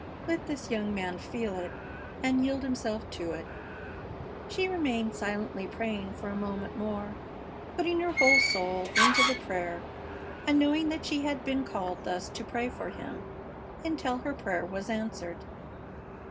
Let this young man feel it and yield himself to it." She remained silently praying for a moment more, putting her whole soul into the prayer and knowing that she had been called thus to pray for him until her prayer was answered.